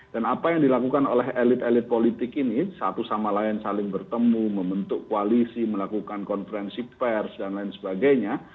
dan apa yang dilakukan oleh elit elit politik ini satu sama lain saling bertemu membentuk koalisi melakukan konferensi pers dan lain sebagainya